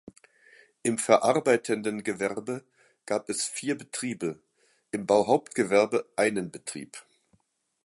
Im verarbeitenden Gewerbe gab es vier Betriebe, im Bauhauptgewerbe einen Betrieb.